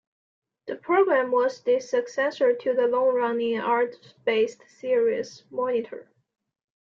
The programme was the successor to the long-running arts-based series "Monitor".